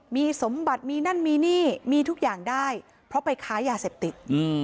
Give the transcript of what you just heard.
มีสมบัติมีนั่นมีนี่มีทุกอย่างได้เพราะไปค้ายาเสพติด